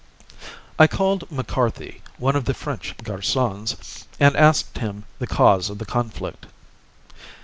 I called McCarthy, one of the French garçons, and asked him the cause of the conflict.